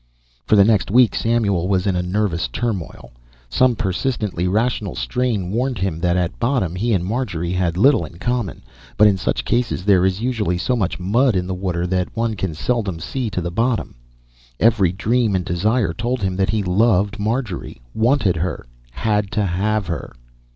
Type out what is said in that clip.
For the next week Samuel was in a nervous turmoil. Some persistently rational strain warned him that at bottom he and Marjorie had little in common, but in such cases there is usually so much mud in the water that one can seldom see to the bottom. Every dream and desire told him that he loved Marjorie, wanted her, had to have her.